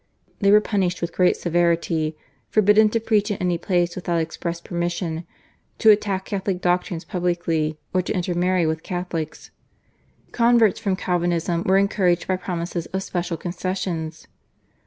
They were punished with great severity, forbidden to preach in any place without express permission, to attack Catholic doctrines publicly, or to intermarry with Catholics. Converts from Calvinism were encouraged by promises of special concessions.